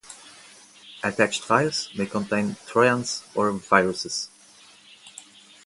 Attached files may contain trojans or viruses.